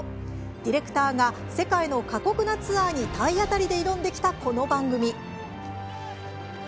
ディレクターが世界の過酷なツアーに体当たりで挑んできたこの番組。